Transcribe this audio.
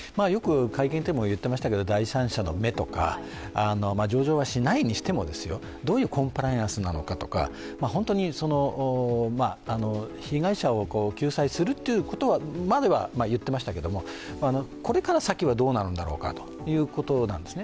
会見でも言ってましたけど第三者の目とか、上場はしないにしてもどういうコンプライアンスなのかとか被害者を救済するということまでは言っていましたけれども、これから先はどうなるんだろうかということなんですね。